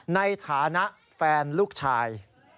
ในฐานะแฟนลูกชาย